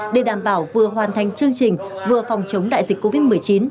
để đảm bảo vừa hoàn thành chương trình vừa phòng chống đại dịch covid một mươi chín